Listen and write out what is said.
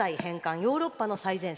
ヨーロッパの最前線。